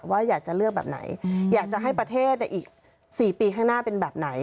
ว่าอยากจะเลือกแบบไหนอยากจะให้ประเทศอีก๔ปีข้างหน้าเป็นแบบไหน